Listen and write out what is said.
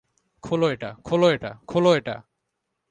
খোলো এটা, খোলো এটা, খোলো এটা।